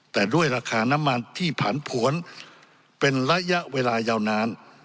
แต่ด้วยราคาน้ำมันที่ผันผวนเป็นระยะเวลายาวนาน